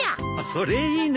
それいいね。